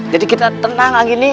jadi kita tenang lagi nih